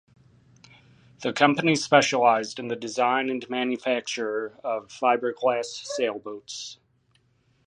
The company specialized in the design and manufacture of fibreglass sailboats.